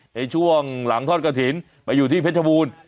ในช่วงหลังทอดกระถิ่นไปอยู่ที่เพชรบูรณ์